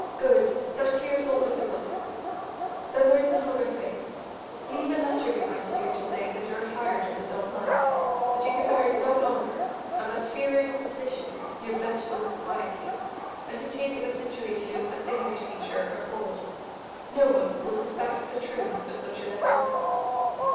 "Good; that clears all difficulties. Then there is another thing; leave a letter behind you to say that you are tired of the dull life; that you can bear it no longer, and that fearing opposition, you have left home quietly, and have taken a situation as English teacher abroad. No one will suspect the truth of such a letter."